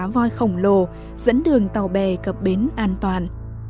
voi khổng lồ dẫn đường tàu bè cập bến an toàn